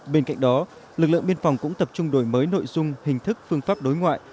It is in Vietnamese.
bên cạnh đó lực lượng biên phòng cũng tập trung đổi mới nội dung hình thức phương pháp đối ngoại